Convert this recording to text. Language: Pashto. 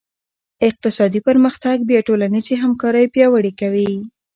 اقتصادي پرمختګ بیا ټولنیزې همکارۍ پیاوړې کوي.